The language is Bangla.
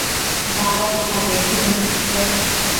দাঁড়া এখানে, একটু মুতে আসি।